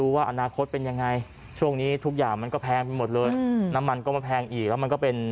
ซึ่งเท่าน้ำมันก็มาแพงอีกแล้วมันก็เป็น